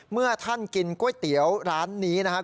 เมื่อท่านกินก๋วยเตี๋ยวร้านนี้นะครับ